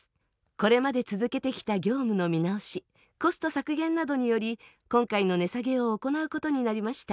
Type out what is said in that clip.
これまで続けてきた業務の見直しコスト削減などにより今回の値下げを行うことになりました。